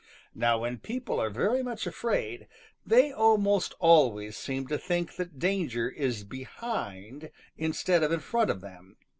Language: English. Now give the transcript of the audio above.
Now when people are very much afraid, they almost always seem to think that danger is behind instead of in front of them.